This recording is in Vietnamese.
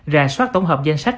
rà soát tổng hợp danh sách